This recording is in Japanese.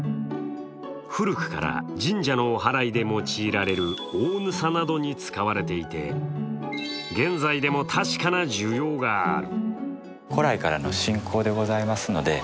古くから、神社のおはらいで用いられる大幣などに使われていて現在でも確かな需要がある。